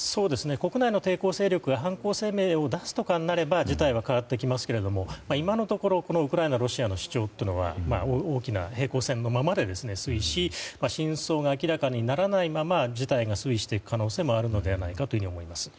国内の抵抗勢力や犯行声明を出すとかになれば事態は変わってきますけれども今のところウクライナ、ロシアの主張は平行線のままで推移し真相が明らかにならないまま事態が推移していく可能性もあるのではないかと思います。